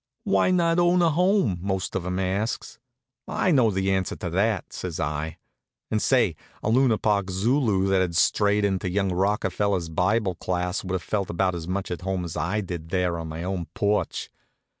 "Why not own a home?" most of 'em asks. "I know the answer to that," says I. And say, a Luna Park Zulu that had strayed into young Rockefeller's Bible class would have felt about as much at home as I did there on my own porch.